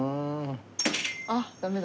あっダメだ。